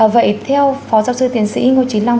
vậy theo phó giáo sư tiến sĩ ngô trí long